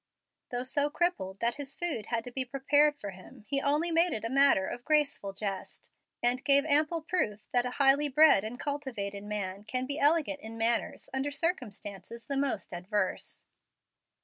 Though so crippled that his food had to be prepared for him, he only made it a matter of graceful jest, and gave ample proof that a highly bred and cultivated man can be elegant in manners under circumstances the most adverse.